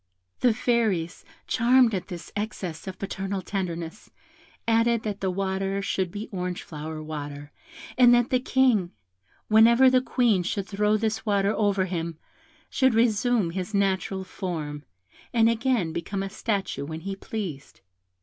The fairies, charmed at this excess of parental tenderness, added that the water should be orangeflower water, and that the King, whenever the Queen should throw this water over him, should resume his natural form, and again become a statue when he pleased.